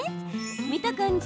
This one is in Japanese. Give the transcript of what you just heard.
見た感じ